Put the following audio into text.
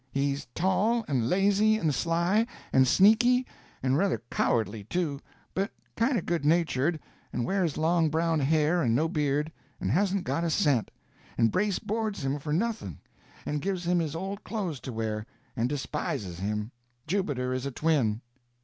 He's tall, and lazy, and sly, and sneaky, and ruther cowardly, too, but kind of good natured, and wears long brown hair and no beard, and hasn't got a cent, and Brace boards him for nothing, and gives him his old clothes to wear, and despises him. Jubiter is a twin."